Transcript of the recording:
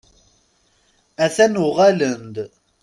A-t-an uɣalen-d.